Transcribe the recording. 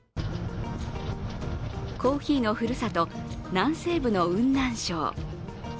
コーヒーのふるさと、南西部の雲南省。